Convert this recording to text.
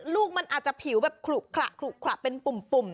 ลูกมันอาจจะผิวแบบขลุขระเป็นปุ่ม